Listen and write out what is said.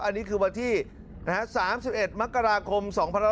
อันนี้คือวันที่๓๑มกราคม๒๕๖๒